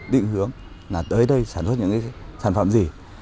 định hướng là tới đây sản xuất những sản phẩm gì